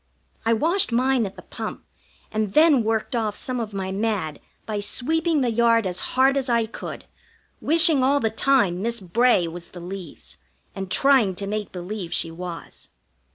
I washed mine at the pump, and then worked off some of my mad by sweeping the yard as hard as I could, wishing all the time Miss Bray was the leaves, and trying to make believe she was.